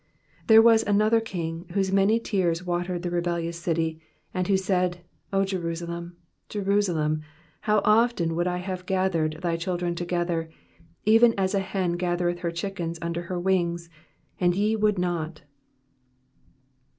There was another King whose many tears watered the rebellious city, and who said, O Jerusalem, Jerusalem, how often would 1 have gathered thy children together, even as a hen gathereth her chickens under her wings, and ye would not